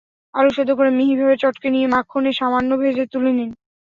আলু সেদ্ধ করে মিহিভাবে চটকে নিয়ে মাখনে সামান্য ভেজে তুলে নিন।